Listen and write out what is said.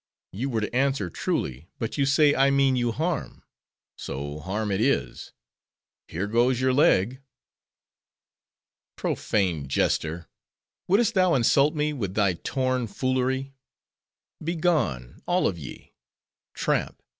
You were to answer truly; but you say I mean you harm:—so harm it is:—here goes your leg.'" "Profane jester! Would'st thou insult me with thy torn foolery? Begone—all of ye! tramp!